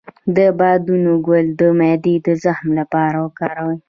د بابونه ګل د معدې د زخم لپاره وکاروئ